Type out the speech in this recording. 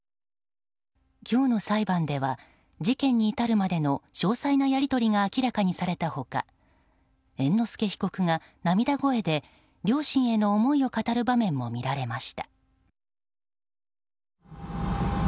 今日の裁判では事件に至るまでの詳細なやり取りが明らかにされた他猿之助被告が涙声で両親への思いを語る場面も見られました。